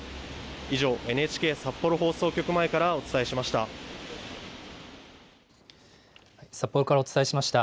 以上、ＮＨＫ札幌放送局前からお伝えしました。